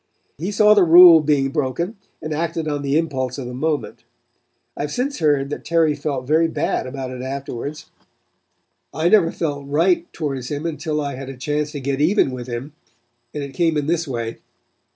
He saw the rule being broken and acted on the impulse of the moment. I have since heard that Terry felt very bad about it afterwards. I never felt right towards him until I had a chance to get even with him, and it came in this way.